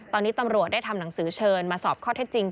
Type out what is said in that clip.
ตอนนี้ตำรวจได้ทำหนังสือเชิญมาสอบข้อเท็จจริง